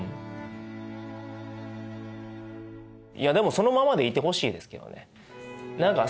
そのままでいてほしいですけどね。